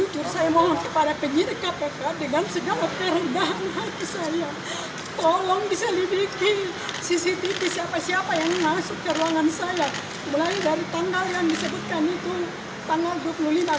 cctv siapa siapa yang masuk ke ruangan saya mulai dari tanggal yang disebutkan itu tanggal dua puluh lima